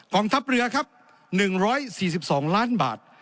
ทัพเรือครับ๑๔๒ล้านบาท